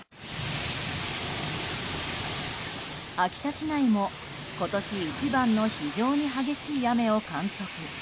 秋田市内も今年一番の非常に激しい雨を観測。